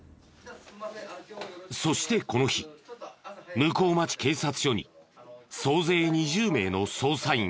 そしてこの日向日町警察署に総勢２０名の捜査員が集結。